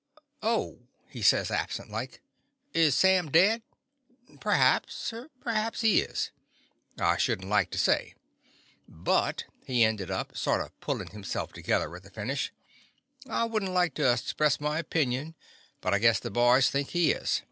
"Oh!'' he says, absent like. "Is Sam dead*? Perhaps! Perhaps he is. I should n't like to say. But," he ended up, sort of puUin' hisself together at the finish, "I would n't like to express an opinion, but I guess the boys think he is.